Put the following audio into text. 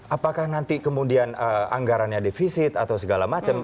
apakah nanti kemudian anggarannya defisit atau segala macam